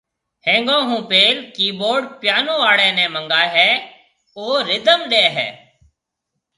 ۿينگون ھونپيل ڪيبور (پيئانو) آڙي ني منگائي ھيَََ او رڌم ڏي ھيَََ